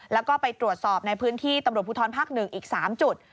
แล้วก็ไปตรวจสอบในพื้นที่ตำรวจภูทรภาค๑อีก๓จุด